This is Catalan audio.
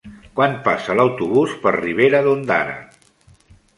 Quan passa l'autobús per Ribera d'Ondara?